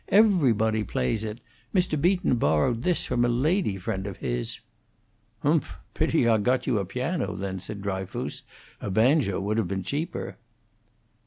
"Everybody plays it. Mr. Beaton borrowed this from a lady friend of his." "Humph! Pity I got you a piano, then," said Dryfoos. "A banjo would have been cheaper."